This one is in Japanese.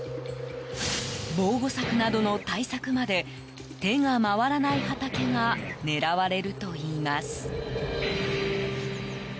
防護柵などの対策まで手が回らない畑が狙われるといいます。